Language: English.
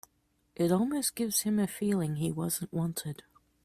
It almost gives him a feeling he wasn't wanted.